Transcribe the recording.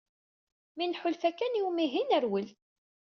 Mi nḥulfa kan i umihi nerwel.